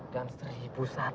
dan seribu saluran